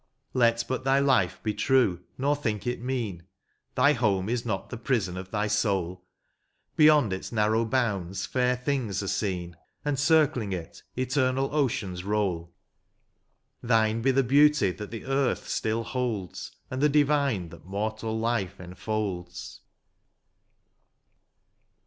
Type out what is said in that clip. Let but thy life be true, nor think it mean. Thy home is not the prison of thy soul ; Beyond its narrow bounds fair things are seen. And, circling it, eternal oceans roll : Thine be the beauty that the earth still holds. And the divine that mortal life enfolds.